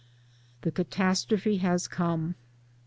The Catastrophe has come.